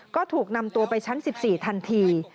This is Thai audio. ก็ถูกนำตัวไปชั้น๑๔ทันที